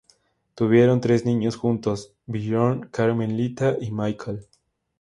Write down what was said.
Tuvieron tres niños juntos: Björn, Carmen-Litta, y Michael.